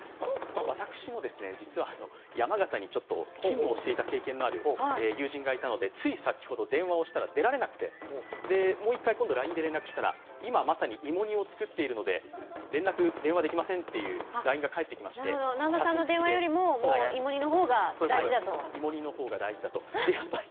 私も実は山形に勤務をしていた経験のある友人がいたので、つい先ほど電話をしたら出られなくて、もう一回ＬＩＮＥで連絡したら、今まさに芋煮を作っているので電話できませんというＬＩＮＥが返ってきまして、写真つきで芋煮の方が大事だと。